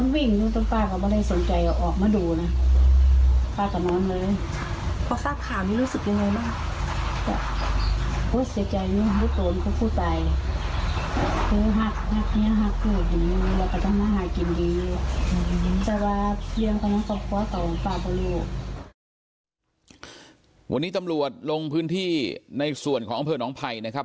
วันนี้ตำรวจลงพื้นที่ในส่วนของอำเภอหนองไผ่นะครับ